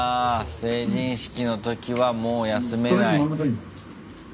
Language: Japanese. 成人式の時はもう休めない。